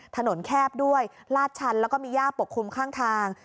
แคบด้วยลาดชันแล้วก็มีย่าปกคลุมข้างทาง